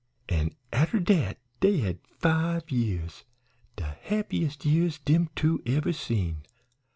"An' arter dat dey had five years de happiest years dem two ever seen.